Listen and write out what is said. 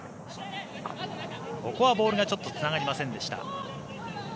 ここはボールがちょっとつながりませんでした。